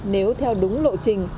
nếu theo đúng lộ trình